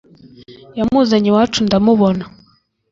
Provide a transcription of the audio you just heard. yamuzanye iwacu ndamubona